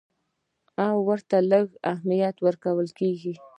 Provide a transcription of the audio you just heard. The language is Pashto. یا ورته لږ اهمیت ورکول کېږي.